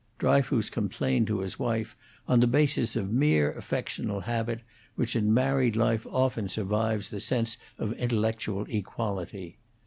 Dryfoos complained to his wife on the basis of mere affectional habit, which in married life often survives the sense of intellectual equality.